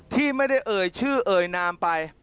ที่ไม่ได้เอ่ยชื่อเอ่ยนามไป